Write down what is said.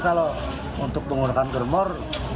kalau untuk menggunakan germor